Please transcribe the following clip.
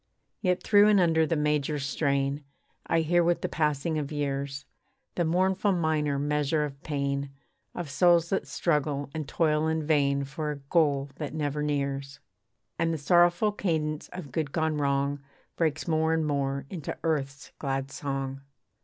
Yet through and under the major strain, I hear with the passing of years, The mournful minor measure of pain, Of souls that struggle and toil in vain For a goal that never nears. And the sorrowful cadence of good gone wrong, Breaks more and more into earth's glad song.